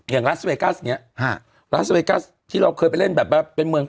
อย่างรัฐสเวกัสเนี่ยรัฐสเวกัสที่เราเคยไปเล่นแบบเป็นเมือง